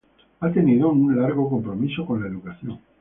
Ha tenido un largo compromiso con la educación.